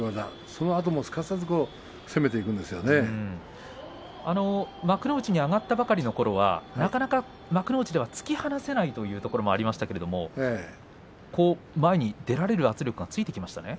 そのあともすかさず攻めていくん幕内に上がったばかりのころはなかなか幕内では突き放せないというところもありましたけれども前に出られる圧力がついてきましたね。